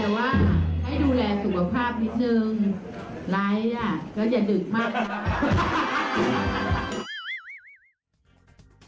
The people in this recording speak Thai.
แต่ว่าให้ดูแลสุขภาพนิดนึง